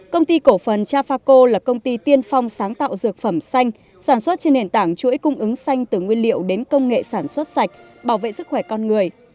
công ty cổ phần trafaco là công ty tiên phong sáng tạo dược phẩm xanh sản xuất trên nền tảng chuỗi cung ứng xanh từ nguyên liệu đến công nghệ sản xuất sạch bảo vệ sức khỏe con người